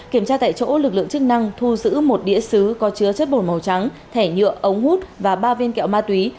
kiểm tra tại chỗ lực lượng chức năng thu giữ một đĩa xứ có chứa chất bột màu trắng thẻ nhựa ống hút và ba viên kẹo ma túy